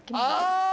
あ